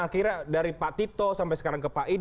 akhirnya dari pak tito sampai sekarang ke pak idi